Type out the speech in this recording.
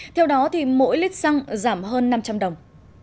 theo đó thì mỗi lít xăng giảm hơn năm trăm linh đồng